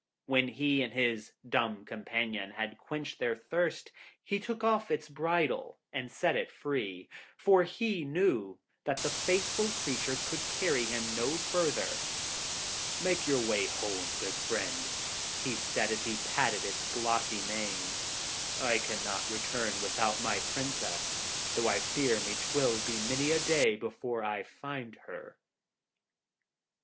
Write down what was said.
When he and his dumb companion had quenched their thirst, he took off its bridle and set it free, for he knew that the faithful creature could carry him no further. 'Make your way home, good friend,' he said, as he patted its glossy mane. 'I cannot return without my Princess, though I fear me 'twill be many a day before I find her.'